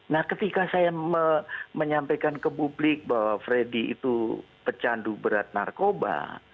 nah ketika saya menyampaikan ke publik bahwa freddy itu pecandu berat narkoba